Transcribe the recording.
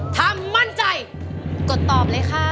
ถ้ามั่นใจกดตอบเลยค่ะ